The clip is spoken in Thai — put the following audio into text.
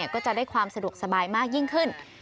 ก็จะได้ความสะดวกสบายมากยิ่งขึ้น